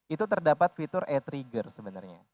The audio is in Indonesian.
itu terdapat fitur e trigger sebenarnya